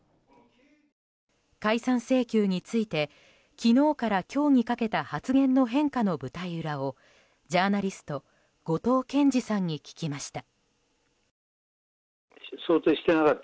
解散請求について昨日から今日にかけた発言の変化の舞台裏をジャーナリスト後藤謙次さんに聞きました。